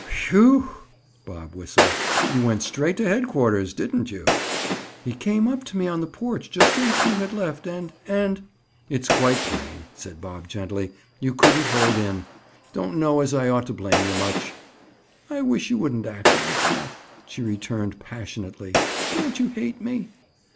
"Whew!" Bob whistled. "You went straight to headquarters, didn't you?" "He came up to me on the porch just after you had left, and—and—" "It's quite plain," said Bob gently. "You couldn't hold in. Don't know as I ought to blame you much." "I wish you wouldn't act like that," she returned passionately. "Don't you hate me?"